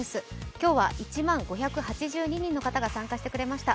今日は１万５８２人の方が参加してくれました。